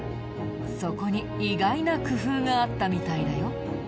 そこに意外な工夫があったみたいだよ。